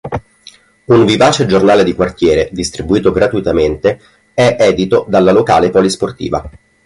Un vivace giornale di quartiere, distribuito gratuitamente, è edito dalla locale Polisportiva.